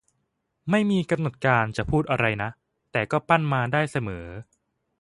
ไม่มีกำหนดการจะพูดอะไรนะ แต่ก็ปั้นมาได้เสมอ